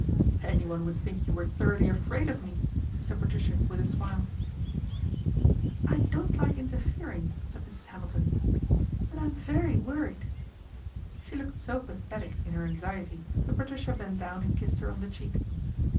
" Anyone would think you were thoroughly afraid of me," said Patricia with a smile. ' I don't like interfering," said Mrs. Hamilton, " but I am very worried." She looked so pathetic in her anxiety that Patricia bent down and kissed her on the cheek.